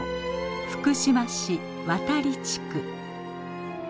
福島市渡利地区。